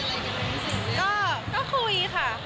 ได้พูดคุยอะไรกันมีเสียงเรื่องไหม